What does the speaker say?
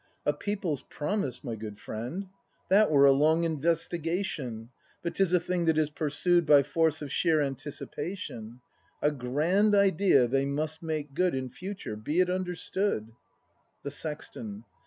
A People's Promise, my good friend ? That were a long investigation; But 'tis a thing that is pursued By force of sheer anticipation; A grand Idea they must make good In future, be it understood. The Sexton.